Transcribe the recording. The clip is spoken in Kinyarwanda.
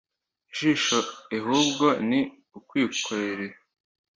ijisho ehubwo ni ukwikorere